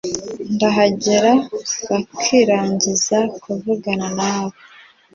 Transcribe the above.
ndahagera"bakirangiza kuvugana nawe